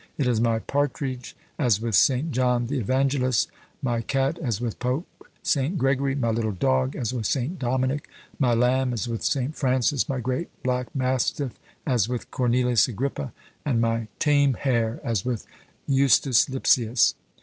It is my partridge, as with St. John the Evangelist; my cat, as with Pope St. Gregory; my little dog, as with St. Dominick; my lamb, as with St. Francis; my great black mastiff, as with Cornelius Agrippa; and my tame hare, as with Justus Lipsius."